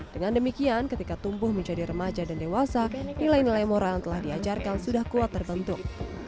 dengan demikian ketika tumbuh menjadi remaja dan dewasa nilai nilai moral yang telah diajarkan sudah kuat terbentuk